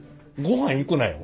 ごはん行くなよ。